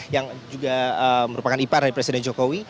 yang juga merupakan ipar dari presiden jokowi